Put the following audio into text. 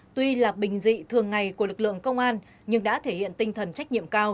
tuy là bình dị thường ngày của lực lượng công an nhưng đã thể hiện tinh thần trách nhiệm cao